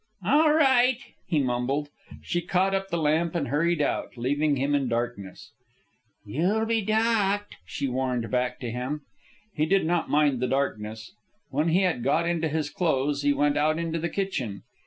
"All right," he mumbled. She caught up the lamp and hurried out, leaving him in darkness. "You'll be docked," she warned back to him. He did not mind the darkness. When he had got into his clothes, he went out into the kitchen.